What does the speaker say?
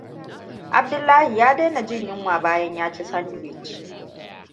Abdullahia ya daina jin yunwa bayan ya ci sandwiches.